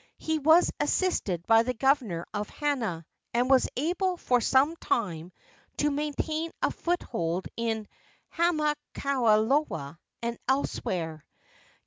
He was assisted by the governor of Hana, and was able for some time to maintain a foothold in Hamakualoa and elsewhere.